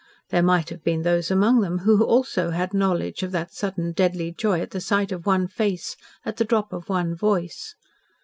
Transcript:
There might have been those among them who also had knowledge of that sudden deadly joy at the sight of one face, at the drop of one voice.